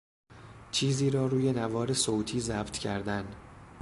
چیزی را روی نوار صوتی ضبط کردن